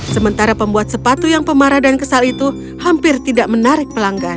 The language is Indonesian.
sementara pembuat sepatu yang pemarah dan kesal itu hampir tidak menarik pelanggan